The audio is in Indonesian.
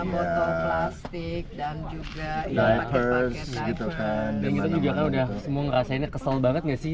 motor plastik dan juga dipercaya gitu kan juga udah semua ngerasain kesel banget ngasih